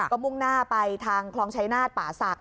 ก็มุ่งหน้าไปทางคลองชายนาฏป่าศักดิ